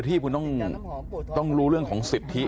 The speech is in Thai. ที่คุณต้องรู้เรื่องของสิทธิ